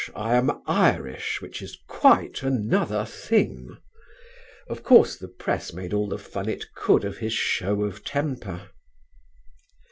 I am Irish which is quite another thing." Of course the press made all the fun it could of his show of temper.